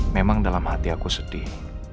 memang dalam hati aku sedih